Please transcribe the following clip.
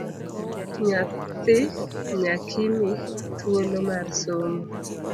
Nyathi nyakimi thuolo mar somo